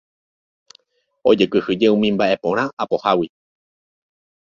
Ojekyhyje umi mbaʼeporã apohágui.